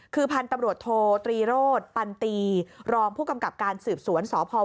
คือพันธุ์ตำรวจโทรทีโรตปันตีรองภูกำกับการศือบศวนสพเวียงแหง